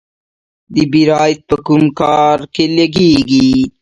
بیرایت په کوم کار کې لګیږي؟